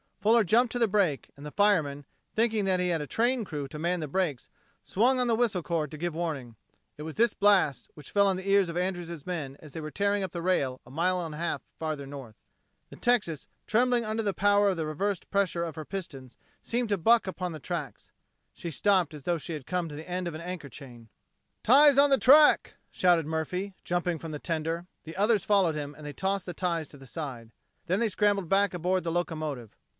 Fuller jumped to the brake; and the fireman, thinking that he had a train crew to man the brakes, swung on the whistle cord to give warning. It was this blast which fell on the ears of Andrews' men as they were tearing up the rail, a mile and a half farther north. The Texas, trembling under the power of the reversed pressure against her piston, seemed to buck upon the tracks. She stopped as though she had come to the end of an anchor chain. "Ties on the track," shouted Murphy, jumping from the tender. The others followed him and they tossed the ties to the side. Then they scrambled back aboard the locomotive.